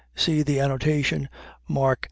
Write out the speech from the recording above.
. .See the annotation, Mark 4.